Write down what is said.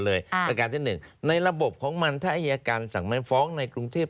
ประการที่๑ในระบบของมันถ้าอายการสั่งไม่ฟ้องในกรุงเทพ